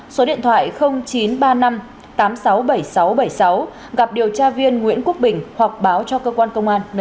số điện thoại chín trăm ba mươi năm tám trăm sáu mươi bảy nghìn sáu trăm bảy mươi sáu gặp điều tra viên nguyễn quốc bình hoặc báo cho cơ quan công an nơi gần nhất